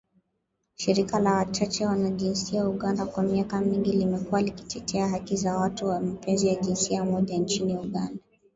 Shirika la Wachache Wanajinsia Uganda kwa miaka mingi limekuwa likitetea haki za watu wa mapenzi ya jinsia moja nchini Uganda.